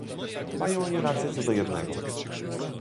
Mają oni rację co do jednego